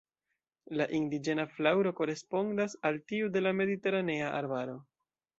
La indiĝena flaŭro korespondas al tiu de la mediteranea arbaro.